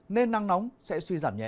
nên nắng nóng sẽ suy giảm nhẹ